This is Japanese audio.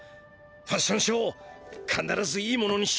ファッションショーかならずいいものにしようぜ！